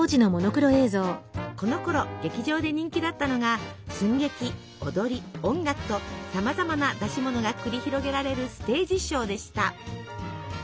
このころ劇場で人気だったのが寸劇踊り音楽とさまざまな出し物が繰り広げられるステージショーでした。